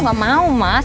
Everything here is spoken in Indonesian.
aku gak mau mas